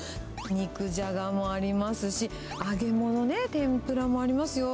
肉じゃがもありますし、揚げ物ね、天ぷらもありますよ。